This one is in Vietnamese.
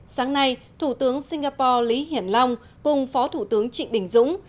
sáng nay thủ tướng singapore lý hiển long cùng phó thủ tướng trịnh đình dũng